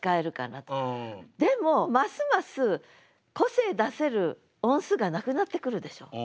でもますます個性出せる音数がなくなってくるでしょ。